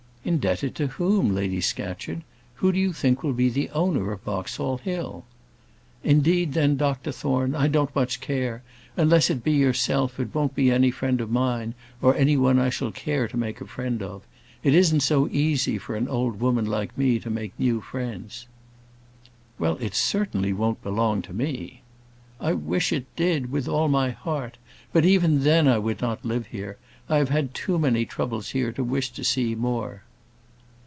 "Indebted to whom, Lady Scatcherd? Who do you think will be the owner of Boxall Hill?" "Indeed, then, Dr Thorne, I don't much care: unless it be yourself, it won't be any friend of mine, or any one I shall care to make a friend of. It isn't so easy for an old woman like me to make new friends." "Well, it certainly won't belong to me." "I wish it did, with all my heart. But even then, I would not live here. I have had too many troubles here to wish to see more."